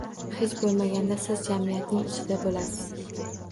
Hech boʻlmaganda siz jamiyatning ichida boʻlasiz.